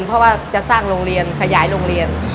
เพราะว่าจะสร้างโรงเรียนขยายโรงเรียน